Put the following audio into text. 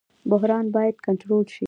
بحران باید کنټرول شي